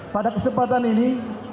pada kesempatan ini